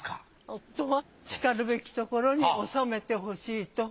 夫はしかるべき所に収めてほしいと。